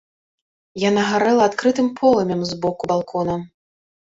Яна гарэла адкрытым полымем з боку балкона.